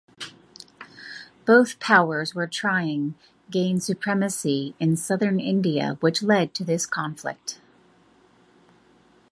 Both powers were trying gain supremacy in Southern India which led to this conflict.